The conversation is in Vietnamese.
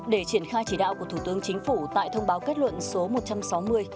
để triển khai chỉ đạo của thủ tướng chính phủ tại thông báo kết luận số một trăm sáu mươi